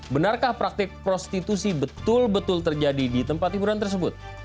benarkah praktik prostitusi betul betul terjadi di tempat hiburan tersebut